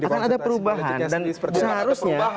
akan ada perubahan dan seharusnya